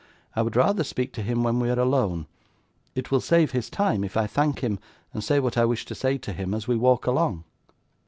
I would rather speak to him when we are alone; it will save his time if I thank him and say what I wish to say to him, as we walk along.